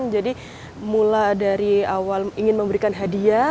jadi mulai dari awal ingin memberikan hadiah